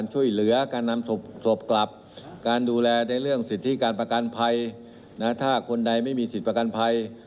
จากอาการไม่ค่อยดีนะ